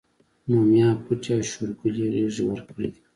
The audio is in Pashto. نو ميا پټي او شورګلې غېږې ورکړي دي